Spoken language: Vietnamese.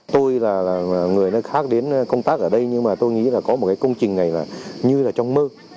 tôi là người khác đến công tác ở đây nhưng tôi nghĩ có một công trình này như trong mơ